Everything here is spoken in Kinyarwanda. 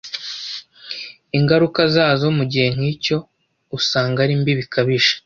Ingaruka zazo mu gihe nk’icyo usanga ari mbi bikabije